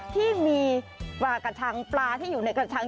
ที่มีปลากระชังปลาที่อยู่ในกระชัง